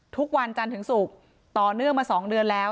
ทุกวันจันทร์ถึงศุกร์ต่อเนื่องมา๒เดือนแล้ว